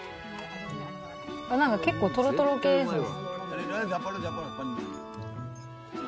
何か結構トロトロ系ですね